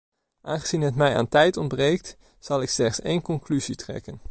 Aangezien het mij aan tijd ontbreekt, zal ik slechts één conclusie trekken.